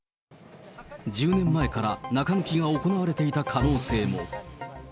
１０年前から中抜きが行われていた可能性も。